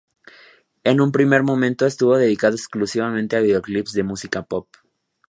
En un primer momento estuvo dedicado exclusivamente a videoclips de música pop.